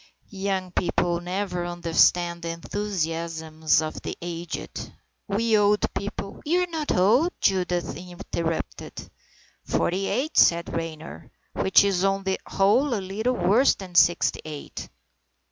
"Young people never understand the en thusiasms of the aged. We old people "" You are not old," Judith interrupted. " Forty eight," said Raynor, " which is on the whole a little worse than sixty eight."